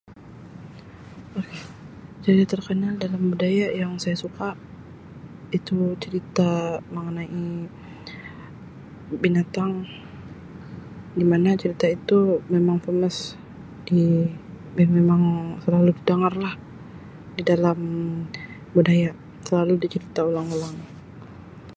Okay, cerita terkenal dalam budaya yang saya suka itu cerita mengenai binatang di mana cerita itu memang famous di-dia memang selalu kita dangarlah di dalam budaya selalu dicerita orang-orang.